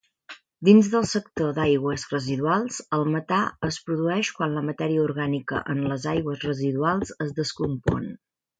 Dins del sector d'aigües residuals, el metà es produeix quan la matèria orgànica en les aigües residuals es descompon.